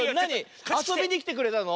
あそびにきてくれたの？